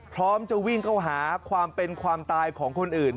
พร้อมจะวิ่งเข้าหาความเป็นความตายของคนอื่น